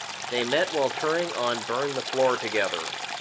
They met while touring on "Burn the Floor" together.